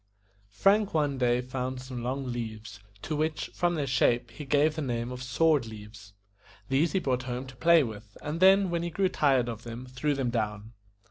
FRANK one day found some long leaves, to which, from their shape, he gave the name of sword leaves. These he brought home to play with, and then, when he grew tired of them, threw them down.